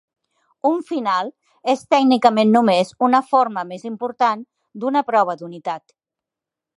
Un final és tècnicament només una forma més important d'una "prova d'unitat".